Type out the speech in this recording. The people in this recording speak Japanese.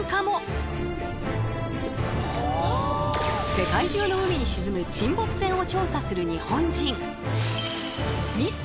世界中の海に沈む沈没船を調査する日本人。